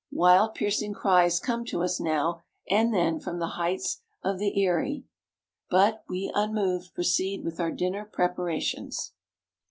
Wild, piercing cries come to us now and then from the heights of the eyry; but we, unmoved, proceed with our dinner preparations.